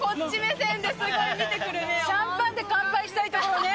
シャンパンで乾杯したいとこそうですね。